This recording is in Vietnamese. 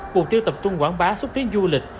cuộc tiêu tập trung quảng bá xúc tiến du lịch